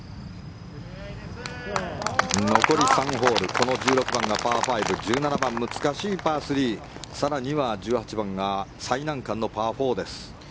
残る３ホールこの１６番はパー５１７番難しいパー３更には１８番が最難関のパー４です。